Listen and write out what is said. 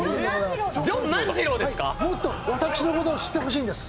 もっと私のことを知ってほしいんです。